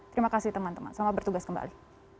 terima kasih teman teman selamat bertugas kembali